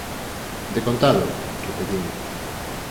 Decontado! −repetín−.